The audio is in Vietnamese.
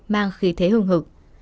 mang khí thế hương hực